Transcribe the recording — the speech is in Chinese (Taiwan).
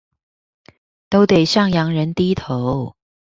都得向洋人低頭